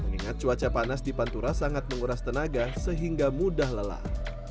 mengingat cuaca panas di pantura sangat menguras tenaga sehingga mudah lelah